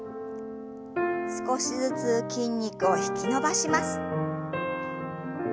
少しずつ筋肉を引き伸ばします。